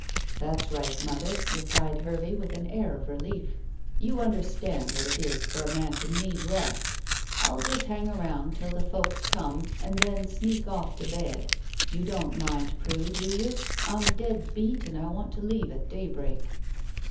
"That's right, mother," replied Hervey, with an air of relief. "You understand what it is for a man to need rest. I'll just hang around till the folks come, and then sneak off to bed. You don't mind, Prue, do you? I'm dead beat, and I want to leave at daybreak."